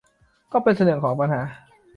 ก็เป็นส่วนหนึ่งของปัญหา